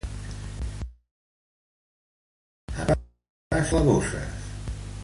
A més, les vores de les seues ales són blavoses.